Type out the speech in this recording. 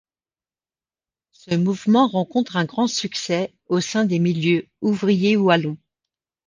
Ce mouvement rencontre un grand succès au sein des milieux ouvriers wallons.